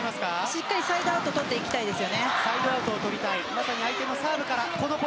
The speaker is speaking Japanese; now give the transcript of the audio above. しっかりサイドアウトを取りたいです。